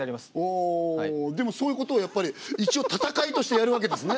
ああでもそういうことをやっぱり一応闘いとしてやるわけですね